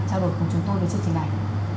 trao đổi cùng chúng tôi với chương trình này